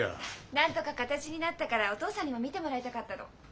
なんとか形になったからお父さんにも見てもらいたかったの。